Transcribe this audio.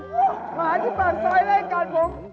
หมาที่ปากซ้ายไล่กัดผม